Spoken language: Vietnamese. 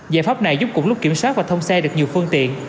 giải pháp này giúp cùng lúc kiểm soát và thông xe được nhiều phương tiện